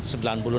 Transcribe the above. dan cari apa pak